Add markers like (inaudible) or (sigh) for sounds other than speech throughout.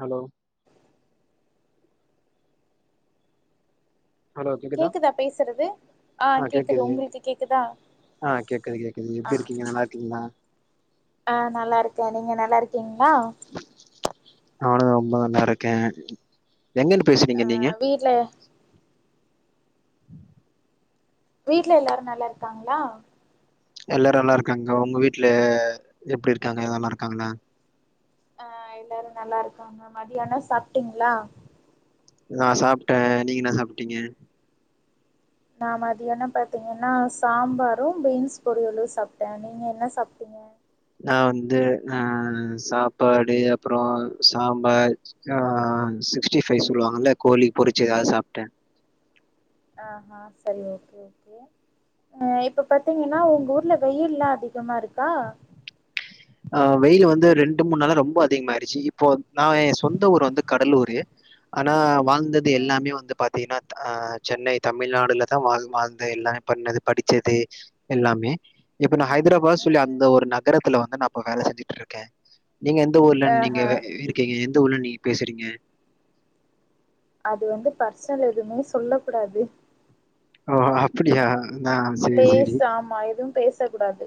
Hello கேக்குதா பேசுறது ஆ கேக்குது உங்கள்க்கு கேக்குதா ஆ கேக்குது கேக்குது ஆ எப்டி இருக்கீங்க நல்லா இருக்கீங்ளா ஆ நல்லா இருக்கே நீங்க நல்லா இருக்கீங்ளா அவன ரொம்ப நல்லா இருக்கே என்னனு ஆ பேசுறீங்க நீங்க வீட்ல வீட்ல எல்லாரு நல்லா இருக்காங்ளா எல்லாரு நல்லா இருக்காங்க உங்க வீட்ல எப்டி இருக்காங்க நல்லா இருக்காங்ளா அ எல்லாரு நல்லா இருக்காங்க மதியானோ சாப்ட்டீங்ளா நா சாப்ட்டே நீங்க என்ன சாப்ட்டீங்க நா மதியானோ பாத்தீங்கன்னா சாம்பாரு பீன்ஸ் பொரியளு சாப்ட்டே நீங்க என்ன சாப்ட்டீங்க நா வந்து அ சாப்பாடு அப்றோ சாம்பார் ஆ சிக்ஸ்டி ஃபைவ் சொல்லுவாங்கல்ல கோழி பொரிச்சு அது சாப்ட்டே ஆஹா செரி ஓகே ஓகே அ இப்ப பாத்தீங்கன்னா உங்க ஊர்ல வெயில்லா அதிகமா இருக்கா அ வெயிலு வந்து ரெண்டு மூணு நாள ரொம்ப அதிகமாயிட்ச்சு இப்போ நா சொந்த ஊர் வந்து கடலூரு ஆனா வாழ்ந்தது ம் எல்லாமே வந்து பாத்தீங்கன்னா அ சென்னை தமிழ்நாடுலதா வாழ்ந்த எல்லாமே பண்ணது படிச்சது எல்லாமே இப்ப நா ம் ம் ஹைதராபாத் ம் சொல்லி ம் அந்த ஒரு நகரத்துல வந்து நா இப்ப வேல செஞ்சுட்டு இருக்கே நீங்க எந்த ஊர்ல நீங்க ஆஹா இருக்கீங்க எந்த ஊர்ல நீங்க பேசுறீங்க அது வந்து பர்சனல் எதுமே சொல்ல கூடாது ஓ அப்புடியா ந்தா பேச ஆமா எதுவு பேச கூடாது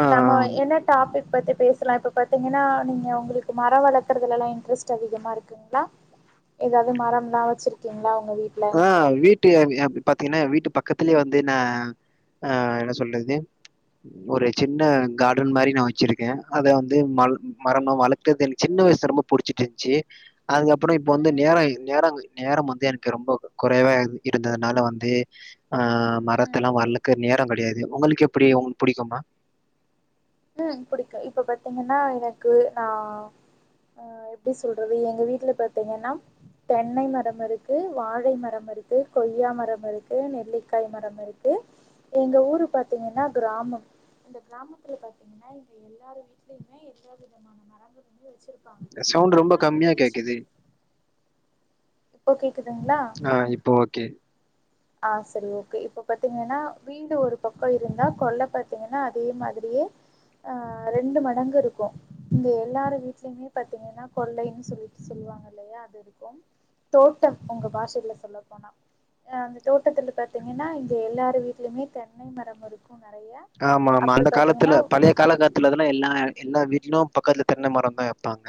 ஆ, நம்ம என்ன டாபிக் பத்தி பேசலா இப்ப பாத்தீங்கன்னா நீங்க உங்ளுக்கு மர வளக்குறதுலல்லா இட்ரெஸ்ட் அதிகமா இருக்கு ங்ளா எதாவது மரம்லா வச்சிருக்கீங்ளா உங்க வீட்ல ஆ வீட்டு பாத்தீங்கன்னா வீட்டு பக்கத்துலே வந்து நா ஆ என்ன சொல்றது ஒரு சின்ன கார்டன் மாரி நா வச்சிருக்கே அத வந்து ம மரம்னோ வளக்கறது எனக்கு சின்ன வயசு ரொம்ப புடிச்சிட்ருந்துச்சி அதுக்கப்ற இப்ப வந்து ம் நேர நேர நேரம் வந்து எனக் கு ரொம்ப குறைவா இருந்ததுனால வந்து ஆ ம் மரத்தெல்லாம் வளக்க நேரம் கிடையாது உங்களுக்கு எப்டி உங்களுக்கு புடிக்குமா ம் புடிக்கும் இப்ப பாத்தீங்கன்னா எனக்கு நா ஆ எப்டி சொல்றது எங்க வீட்ல பாத்தீங்கன்னா தென்னை மரம் இருக்கு வாழை மரம் இருக்கு கொய்யா மரம் இருக்கு நெல்லிக்காய் மரம் இருக்கு எங்க ஊரு பாத்தீங்கன்னா கிராமம் அந்த கிராமத்துல பாத்தீ என்னா இங்க எல்லாரு வீட்லயுமே எல்லா விதமான மரங்கள் வந்து வச்சிரு சவுண்டு ரொம்ப கம்மியா கேக்குது இப்போ கேக்குதுங்களா ஆ இப்ப ஓகே ஆ சரி ஓகே இப்ப பாத்தீங்கன்னா வீடு ஒரு பக்கம் இருந்தா கொள்ள பாத்தீங்கன்னா அதே மாதிரியே ஆ ரெண்டு மடங்கு இருக்கும் இங்க எல்லார வீட்லயுமே பாத்தீங்கன்னா கொள்ளை சொல்லிட்டு சொல்லுவாங்க இல்லையா அது இருக்கும் தோட்டம் உங்க பாஷையில சொல்ல போன ஆ தோட்டத்தில பாத்தீங்கன்னா இங்க எல்லாரு வீட்லயுமே தென்னை மரம் இருக்கும் நறையா ஆமா ஆமா அந்த காலத்துல பழைய காலகத்துல இதுல்லா எல்லா எல்லா வீட்லயும் பக்கத்துல தென்ன மரந்தான் வைப்பாங்க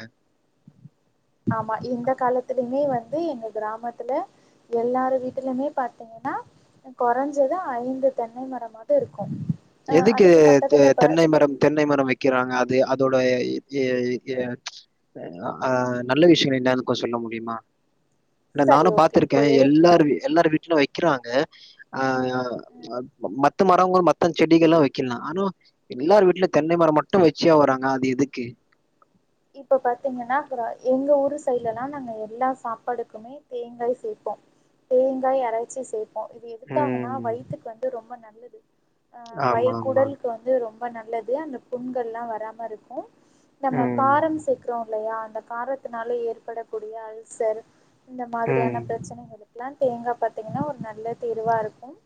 ஆமா இந்த காலத்துலயுமே வந்து எங்க கிராமத்துல எல்லாரு வீட்டலுமே பாத்தீங்கன்னா கொறஞ்சது ஐந்து தென்னை மரமாவது இருக்கும் எதுக்கு தெ தென்னை மரம் தென்னை மரம் வைக் கிறாங்க அது அதோட ஏ ஏ ஆ நல்ல விஷியம் என்னான் கொஞ்சம் சொல்ல முடியுமா இல்ல சரி நானும் ஓகே இப்போ பாத்துருக்கேன் எது எல்லாரு வீ எல்லாரு வீட்லயும் வக்கிறாங்க ஆ ஆ மத்த மரங்கள் மத் த செடிகள்லா வக்கலாம் ஆனா எல்லாரு வீட்ல தென்னை மரம் மட்டும் வச்சியா வராங்க அது எதுக்கு இப்போ பாத்தீங்கன்னா அப்புறம் எங்க ஊர் சைட்லலா நாங்க எல்லா சாப்பாடுக்குமே தேங்காய் சேப்போம் தேங்காய் அரைச்சி சேப் போ இது எதுகாகன்னா ம். வயித்துக்கு வந்து ரொம்ப நல்லது ஆ ஆமா, வயிறு ஆமா. குடலுக்கு வந் து ரொம்ப நல்லது அந்த புண்கள்லா வராம இருக்கும் நம்ம ம். காரம் சேக்கறோம் இல்லையா அந்த காரத்துனால ஏற்படக்கூடிய அல்சர் இந்த ம். மாதிரியான பிரச்சனைகள் லா தேங்கா பாத்தீங்கன்னா ஒரு நல்ல தீர்வா இருக்கும்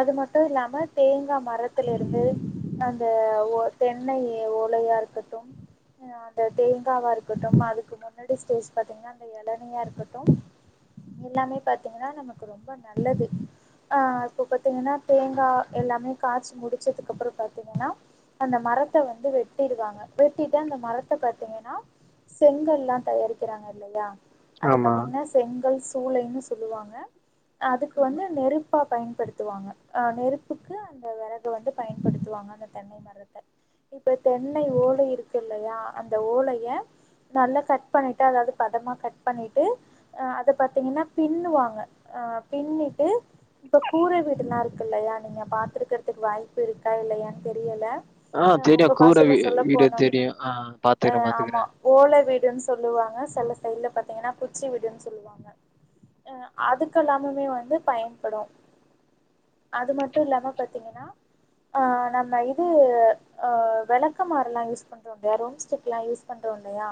அது மட்டும் இல்லாம தேங்கா மரத்துல இருந்து அந்த ஓ தென்னை ஓலையா இருக்கட் நா அந்த தேங்காவா இருக்கட்டும் அதுக்கு முன்னாடி ஸ்டேஜ் பாத்தீங்கன்னா அந்த எளனியா இருக்கட்டும் எல்லாமே பாத்தீங்கன்னா நமக்கு ரொம்ப நல்லது ஆ இப்போ பாத்தீங்கன்னா தேங்கா எல்லாமே காய்ச்சி முடிச்சதுக்கப்புறம் பாத்தீங்கன்னா அந்த மரத்த வந்து வெட்டிடுவாங்க வெட்டி ட்டு அந்த மரத்த பாத்தீங்கன்னா செங்கல்லா தயாரிக்கிறாங்க இல்லையா அத ஆமா. பாத்தீங்கன்னா செங்கல் சூளைன்னு சொல்லுவாங்க அதுக்கு வந்து நெருப்பா பயன்படுத் துவாங்க ஆ நெருப்புக்கு அந்த வெறக வந்து பயன்படுத்துவாங்க அந்த தென்னை மரத்த இப்ப தென்னை ஓலை இருக்கில்லையா அந்த ஓலைய நல்லா கட் பண்ணிட்டு அதாவ்து பதமா கட் பண்ணிட்டு அ அத பாத்தீங்ன்னா பின்னுவாங்க அ பின்னிட்டு இப்ப கூரை வீடுல்லா இருக்கில்லையா நீங்க பாத்துருக்கறதுக்கு வாய்ப்பு இருக்கா இல்லையான் தெரியல ஆ அ தெரியு உங்க கூரை பாஷைல சொல்ல வீடு போனோம்னா தெரியு ஆ அ பார்த்துக்கிறேன், ஆமா பார்த்துக்கிறேன். ஓலை வீடுன் சொல்லுவாங்க செல சைடுல பாத்தீங்கன்னா குச்சி வீடுன் சொல்லுவாங்க அ அதுக்கெல்லாமமே வந்து பயன்படு அது மட்டு இல்லாம பாத்தீங்கன்னா ஆ நம்ம இது அ வெளக்குமாறுல்லா யூஸ் பண்றோல்லையா ரூம்ஸ்டிக்லா யூஸ் பண்றோ இல்லையா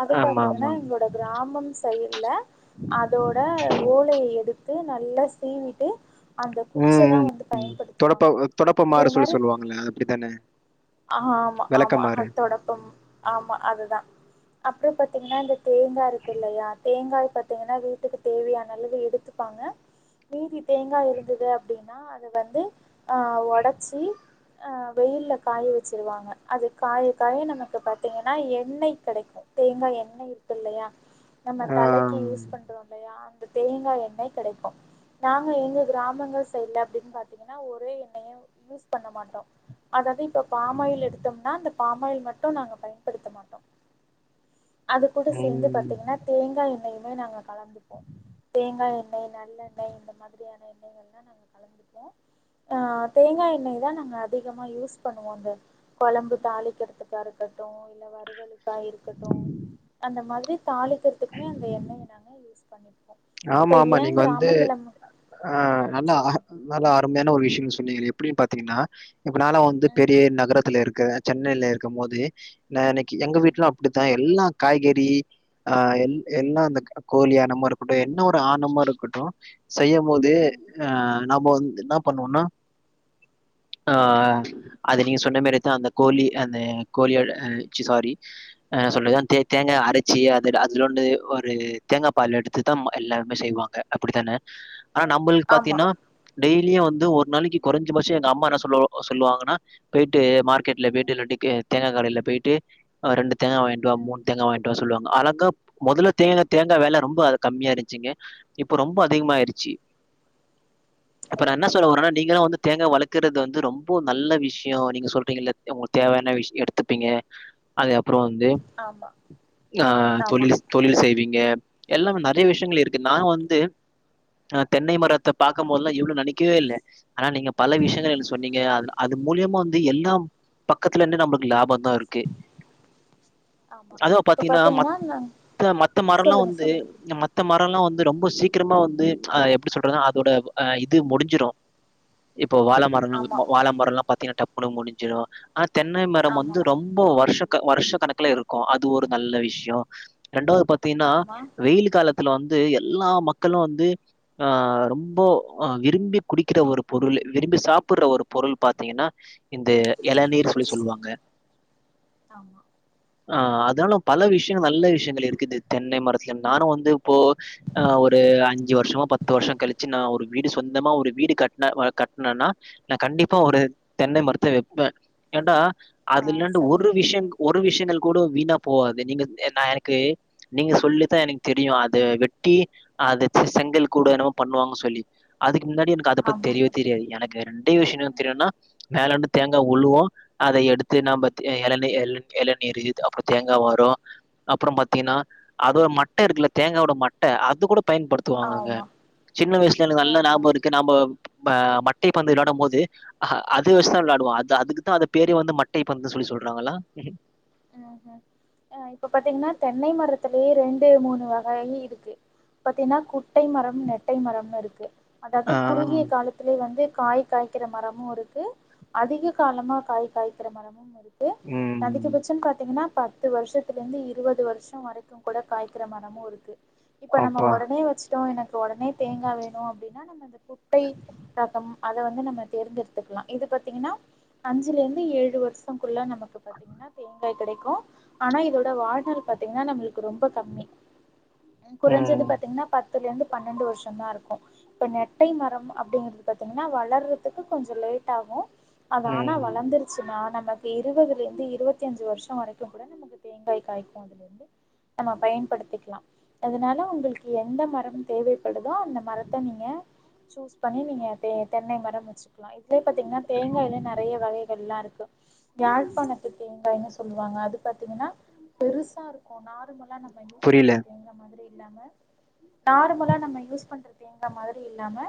அது ஆமா, ஆமா. பாத்தீங்கன்னா எங்களோட கிராமம் சைல்ல அதோட ஓலைய எடுத்து நல்லா சீவிட்டு அந்த ம், குச்சதா ம். வந்து தொடப்ப பயன்படுத்துவாங்க இதே தொடப்பமாரு சொல்லி மாரி சொல்லுவாங்கல்ல. அது அப்படித்தானே? ஆமா ஆமா விளக்கமாறு. ஹத்தோடப்பம் ஆமா அதுதா அப்ற பாத்தீங்கன்னா இந்த தேங்கா இருக்கில்லையா தேங்காய் பாத்தீங்கன்னா வீட்டுக்கு தேவையான அளவு எடுத்து ப்பாங்க மீதி தேங்காய இருந்தது அப்டின்னா அது வந்து ஆ ஒடச்சி அ வெயில்ல காய வெச்சிருவாங்க அது காய காய நமக்கு பாத்தீங்கன்னா எண்ணெய் கெடைக்கு தேங்காய் எண்ணெய் இருக்கில்லையா நம்ம ஆ. தலைக்கு யூஸ் பண்றோல்லையா அந்த தேங்காய் எண்ணெய் கெடைக்கு நாங்க எங்க கிராமங்கள் சைட்ல அப்டின் பாத்தீங்கன்னா ஒரே எண்ணெய யூஸ் பண்ண மாட்டோ அதாவ்து இப்ப பாம்மாயில் எடுத்தோம்னா அந்த பாம்மாயில் மட்டு நாங்க பயன்படுத்த மாட்டோ அது கூட சேந்து ம். பாத்தீங்கன்னா தேங்காய் எண்ணெயிமே நாங்க கலந்துப்போ தேங்காய் எண்ணெய் நல்லெண்ணெய் இந்த மாதிரியான எண்ணெய் எல்லா (inaudible) ஆ தேங்காய் எண்ணெய் தா நாங்க அதிகமா யூஸ் பண்ணுவோ அந்த கொழம்பு தாளி க்கிறதுக்கா இருக்கட்டு இல்ல வறுவலுக்கா இருக்கட்டு அந்த மாதிரி தாளிக்கிறதுக்குமே அந்த எண்ணெய நாங்க யூஸ் பண்ணிப்போ இப்ப ஆமாமா ஏ நீங்க வந்து கிராமத்துல ம ஆ ம் நல்லா சொல்லுங்க நல்லா அருமையான ஒரு விஷயம் சொன்னீங்களே எப்டின் பாத்தீங்கன்னா இப்ப நாலா வந்து ம் பெரிய நகரத்துல இருக்கறே சென்னையில இருக்கும் போது ந இன்னைக்கு எங்க ம் வீட்டுலு அப்டிதா எல்லா காய்கறி அ எல் ம் எல்லா அந்த கோழி எனாமா இருக்கட்டு என்ன ஒரு ஆணமா இருக்கட்டு செய்யும் போது ம் அ நாம வந்து என்ன பண்ணுவோனா ஆ அது நீங்க சொன்ன மாரியே தா அந்த கோழி அந்த கோழியோட ச்சி சாரி ஆ சொல்றது அந் தே தேங்காய அரச்சி அது அதுல வந்து ஒரு தேங்கா பால் எடுத் து தா எல்லாருமே செய்வாங்க அப்படித்தானே ஆனா அ நம்மளுக் ஆமா பாத்தீனா டெய்லியே வந்து ஒரு நாளைக்கு டெய்லி வந்து ஒரு நாளைக்கி கொறஞ்ச பட்சோ எங்க அம்மா என்ன சொல்லு சொல்லுவாங்கன்னா போய்ட்டு மார்க்கெட்ல ம் போயிட்டு இல்லாட்டி தே தேங்கா கடைல போயிட்டு ரெண்டு தேங்கா வாய்ண்ட்டு வா ம் மூண் தேங்கா வாய்ண்ட்டு வா சொல்லுவங்க அழகா மொதல்ல தேங்க தேங்கா வெல ரொம்ப கம்மியா இருந்துச்சிங்க இப்ப ரொம்ப அதிகமாயிருச்சு இப்ப நா என்ன ஓஹோ சொல்ல வரனா நீங்க தா இப் வந்து தேங்கா வளக்கறது வந்து ரொம்போ நல்ல விஷ்யோ நீங்க சொல்றீங்கல்ல உங்களுக் தேவையான விஷ் எடுத்துப்பீங்க (inaudible) அது அப்பறம் வந்து ஆமா ஆ ஆமா தொழில் தொழில் செய்வீங்க எல்லாமே ந றைய விஷயங்கள் இருக்கு நான் வந்து அ தென்னை மரத்த பாக்கும் போதுல்லா இவ்ளோ நினைக்கவே இல்ல ஆனா நீங்க பல விஷயங்கள் எனக் சொன்னீங்க அத் அது மூலியமா வந் து எல்லாம் பக்கத்துல இருந்து நம்மக்கு லாப தா இருக்கு ஆமா அதுவு இப்ப பாத்தீங்கன்னா நாங்க மத்த மத்த மரல்லா சொல்லுங்க வந்து சொல்லுங்க மத்த மரம்ல்லா வந்து ரொம்ப சீக்கிரமா வந்து ஆ எப்டி சொல்றதுனா அதோட ஆ இது முடிஞ்சிடு இப்போ வாழை மரம் ஆமா வாழ மரம்ல்லா பாத்தீங்கன்னா டப்பு முடிஞ்சுறு ஆனா தென்னை மரம் ஆமா வந்து ரொம் போ வருஷ வருஷ கணக்குல இருக்கு அது ஒரு நல்ல விஷயோ ரெண்டாவது பத் தீன்னா ஆமா வெயில் காலத்துல வந்து எல்லா மக்களு வந்து ஆ ரொம்போ விரும்பி குடிக்கிற ஒரு பொருள் விரும்பி சாப்பிடுற ஒரு பொருள் பாத்தீங்கன்னா இந்த எளநீர் சொல்லி சொல்லுவாங்க ஆமா ஆ அதால பல விஷயங்கள் நல்ல விஷயங்கள் இருக்குது தென்னை மரத்துல நானு வந்து இப்போ ஆ ஒரு அஞ்சு வருஷமா பத்து வருஷோ கழிச்சு நா ஒரு வீடு சொந்தமா ஒரு வீடு கட்ன கட்னன்னா நா கண்டிப்பா ஒரு தென்னை மரத்த வப்பே ஏன்டா ஆ அது இல்லண்டு சரி ஒரு ஓகே விஷய ஒரு விஷயங்கள் கூட வீணா போகாது நீங்க நா எனக்கு நீங்க சொல்லி தா எனக்கு தெரியு அ த வெட்டி அத செங்கல் கூட என்னமோ பண்ணுவாங்க சொல்லி அதுக்கு முன்னாடி எனக்கு அத பத்தி ஆமா தெரியவே தெரியா எனக்கு ரெண்ட விஷயோ என்ன தெரியும்னா ம்ஹ்ம், மேலேண்டு தேங்கா உளுவு அத எடுத்து நாம்ப ம். எளநி எளநீர் இத் அப்றோ தேங்கா வரு அப்பறம் பாத்தீங்கன்னா அதோட மட்ட இருக்குல தேங்காவோட மட்ட அது கூட பயன்படுத்துவாங்கங்க ஆமா சின்ன வயசுல எனக்கு நல்லா ஆஹா ஞாபக இருக்கு நாம்ப இப்ப மட்டை பந்து விளையாடு போது அ அது வச்சுதா விளையாடுவோ அது அதுக்குதா அந்த பேரே வந்து மட்டை பந்து சொல்லி சொல்றாங்களா ம் ஹூ ஆ இப்ப பாத்தீங்கன்னா தென்னை மரத்திலயே ரெண்டு மூணு வகயி இருக்கு பாத்தீன்னா குட்டை மரம் நெட்டை மரம்னு இருக்கு அதாவது ஆ குறுகிய காலத் திலயே வந்து காய் காய்க்கிற மரமும் இருக்கு அதிக காலமா காய் காய்க்கிற மரம் முமுருக்கு ம் அதிகபட்சம் பாத்தீங்கன்னா பத்து வருஷத்துலருந்து இருபது வருஷோ வரைக்கு கூட காய்க்கற மரமும் இருக்கு இப்ப நம்ம அப்பா உடனே வச்சுட்டோ எனக்கு உடனே தேங்காய் வேணு அப்டின்னா நம்ம இந்த குட்டை ரகம் அத வந்து நம்ம தேர்ந்தெடுத்துக்கலா இது பாத்தீங்கன்னா அஞ்சுலருந்து ஏழு வருஷ் சோ குள்ள நமக்கு பாத்தீங்கன்னா கெடைக்கும் ஆனா இதோட வாழ் நாள் பாத்தீங்கன்னா நம்மளுக்கு ரொம்ப கம்மி குறஞ்சது ம் பாத்தீங்கன்னா பத்துலருந்து பன்னெண்டு வருஷோ தா இருக்கு இப்ப நெட்டை மரம் அப்டிங்கறது பாத்தீங்கன்னா வளர்றதுக்கு கொஞ்சோ லேட் ஆகு அது ஆனா ம் வளர்ந்துருச்சுன்னா நமக்கு இருபதுலருந்து இருபத் தய்ந்து வருஷோ வரைக்கு கூட நமக்கு தேங்காய் காய்க்கும் நம்ம பயன்படுத்திக்கலா அதனால உங்களுக்கு எந்த மரம் தேவைப்படுதோ அந்த மரத்த நீங்க சூஸ் பண்ணி நீங்க தெ தென்னை மரம் வச்சு ல இதுலயே பாத்தீங்கன்னா தேங்காய்லய நெறைய வகைகள்ல்லாம் இருக்கு யாழ்ப்பாணத்து தேங்காய்ன்னு சொல்லுவாங்க அது பாத்தீங்கன்னா பெருசா இருக்கு நார்மல் ம யூஸ் பண்ற புரியல தேங்கா மாரி இல்லாம நார்மலா நம்ம யூஸ் பண்ற தேங்கா மாதிரி இல்லாம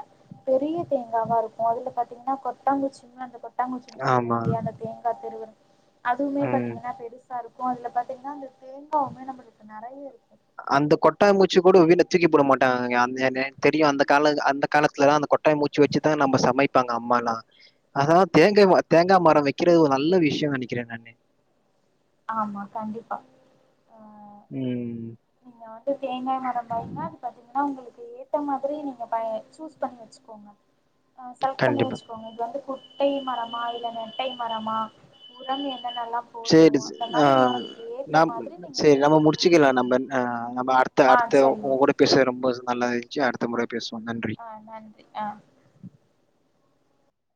பெரிய தேங்காவா இருக்கு அதுல பாத்தீங்கன்னா கொட்டாங்குச்சி (inaudible) கொட்டாங்குச்சின்னு சொல்லுவோ ஆமா இல்லையா அந்த தேங்கா திருவு (unintelligible) அதுவுமே ம் பாத்தீங்கன்னா பெருசா இருக்கு அதுல பாத்தீங்கன்னா அந்த தேங்காவுமே நம்மளுக்கு நெறைய இருக்கு அந்த கொட்டாங்குச்சு கூட வீட்ல தூக்கி போட மாட்டாங்க அங் க எ தெரியு அந்த கால அந்த காலத்துலதா அந்த கொட்டாங்குச்சி வச் ச்சிதா நம்ம சமைப்பாங்க அம்மாலா ஆஹ தேங்கா ம தேங்கா மர வக்கிறது ஒரு நல்ல விஷ்யோ நெனக்கிறே நானு ஆமா கண்டிப்பா அஹ் ம் நீங்க வந்து தேங்காய் மரம் பாய்ங்கன்னா அது பாத்தீங்கன்னா உங்களுக்கு ஏத்த மாதிரி நீங்க பயன் சூஸ் பண்ணி வச்சுக்கோங்க அ செலக்ட் கண்- பண்ணி வச்சுக்கோங்க இது வந்து கு குட்டை மரமா இல்ல நெட்டை மரமா உரங்கு என்னன்னல்லா சேரி டிஷ் ஆ நம் மாதிரி நீங்க சேரி நம்ம தேர்ந்தெடுத்து முடுச்சுக்கலா வச்சுக்கோங்க நம்ம ஆ நம்ம அடு த்த ஆ அடுத்த சரி உங்க ஓகே கூட பேசுறது ரொம்ப நல்லாய்ந்துச்சு அடுத்த முற பேசுவோ நன்றி ஆ நன்றி ஆ